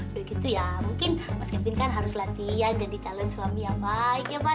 udah gitu ya mungkin mas kevin kan harus latihan jadi talent suami yang baik ya pak